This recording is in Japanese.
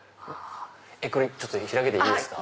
これ開けていいですか？